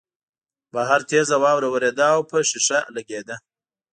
بهر تېزه واوره ورېده او په شیشه لګېده